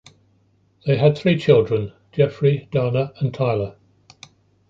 They had three children: Jeffrey, Dana and Tyler.